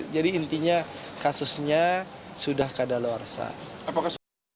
jadi intinya kasusnya sudah keadaan luar sana